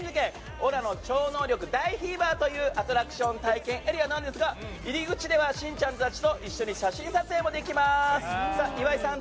オラの超能力大フィーバー」というアトラクション体験エリアなんですが、入り口では一緒に写真撮影もできます！